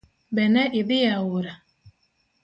Be ne idhi aora?